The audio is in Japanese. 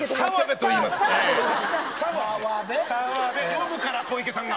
読むから小池さんが。